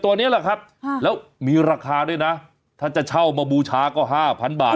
ตัวนี้แหละครับแล้วมีราคาด้วยนะถ้าจะเช่ามาบูชาก็ห้าพันบาท